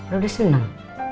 lu udah senang